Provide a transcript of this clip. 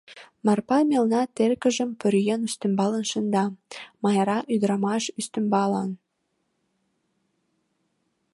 Марпа мелна теркыжым пӧръеҥ ӱстембалан шында, Майра — ӱдырамаш ӱстембалан.